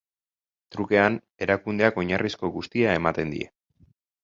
Trukean, erakundeak oinarrizko guztia ematen die.